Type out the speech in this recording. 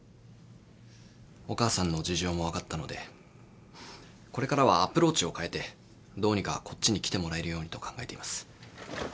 お母さんの事情も分かったのでこれからはアプローチを変えてどうにかこっちに来てもらえるようにと考えています。